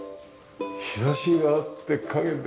日差しがあって影で。